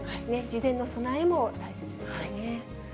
事前の備えも大切ですよね。